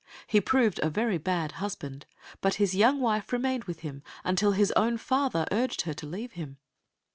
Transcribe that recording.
He proved a very bad husband, but his young wife remained with him until his own father urged her to leave him.